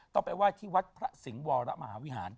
ต้องไปไหว้ที่วัดพระสิงห์วรมหาวิหาร